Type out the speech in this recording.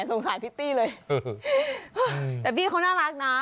สงสัยพิตตี้เลยแต่พี่เขาน่ารักนะ